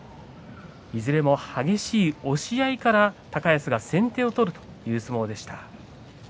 いずれも激しい押し合いから高安が先手を取るという相撲でした。